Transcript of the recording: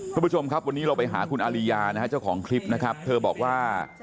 คุณผู้ชมครับวันนี้เราไปหาคุณอาริยานะฮะเจ้าของคลิปนะครับเธอบอกว่า